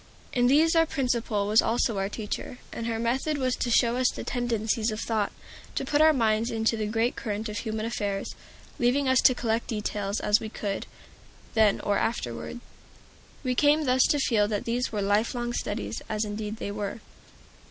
In these our Principal was also our teacher, and her method was to show us the tendencies of thought, to put our minds into the great current of human affairs, leaving us to collect details as we could, then or afterward. We came thus to feel that these were life long studies, as indeed they are.